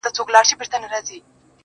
دا خـــو وې د ژبې ســــر ســـــري ګــیلې